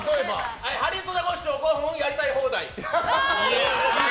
ハリウッドザコシショウやりたい放題。